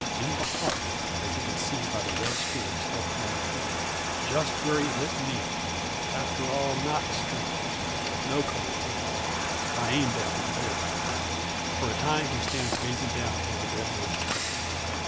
In the heart, as he can see by the red stream still flowing forth! "Just where he hit me! After all, not strange no coincidence; I aimed at him there." For a time he stands gazing down at the dead man's face.